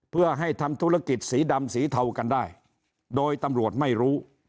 เพื่อให้ทำธุรกิจสีดำสีเทากันได้โดยตำรวจไม่รู้